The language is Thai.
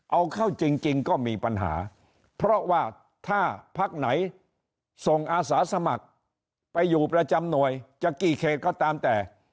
เอาเข้าจริงก็มีปัญหาเพราะว่าถ้าพักไหนส่งอาสาสมัครไปอยู่ประจำหน่วยจะกี่เขตก็ตามแต่